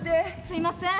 すいません。